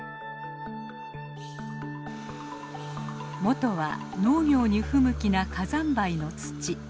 元は農業に不向きな火山灰の土。